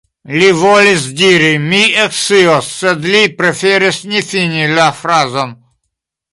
Li volis diri: „mi ekscios“, sed li preferis ne fini la frazon.